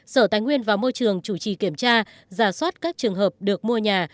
sở tài nguyên và môi trường chủ trì kiểm tra giả soát các trường hợp được mua nhà